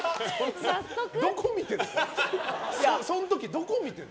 どこ見てる？